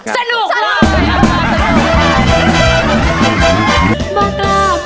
สนุกมาก